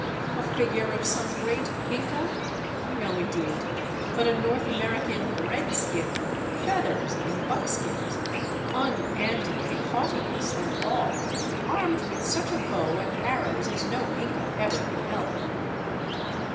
A figure of some great Inca? No, indeed; but a North American " redskin," feathers, in buckskins, unAndean haughti ness and all, armed with such a bow and arrows as no Inca ever beheld.